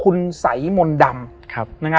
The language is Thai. เพื่อที่จะให้แก้วเนี่ยหลอกลวงเค